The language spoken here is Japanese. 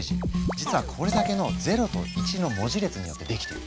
実はこれだけの「０」と「１」の文字列によって出来ている。